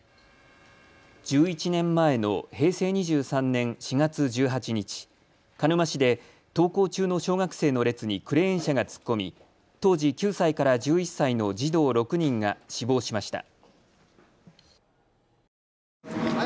１１年前の平成２３年４月１８日、鹿沼市で登校中の小学生の列にクレーン車が突っ込み当時９歳から１１歳の児童６人が死亡しました。